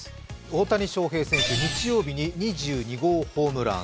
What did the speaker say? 大谷翔平選手、日曜日に２２号ホームラン。